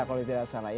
kalau tidak salah